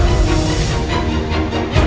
aku mau pergi semuanya